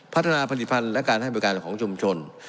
พัฒนาผลิตภัณฑ์และการให้บริการของชุมชน